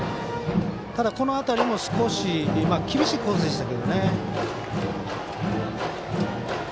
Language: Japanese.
ただ、この辺りも少し厳しいコースでしたけどね。